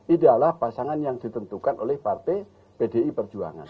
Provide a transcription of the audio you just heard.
ideallah pasangan yang ditentukan oleh partai pdi perjuangan